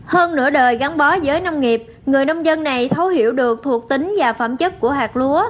hơn nửa đời gắn bó với nông nghiệp người nông dân này thấu hiểu được thuộc tính và phẩm chất của hạt lúa